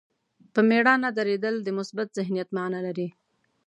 په مېړانه درېدل د مثبت ذهنیت معنا لري.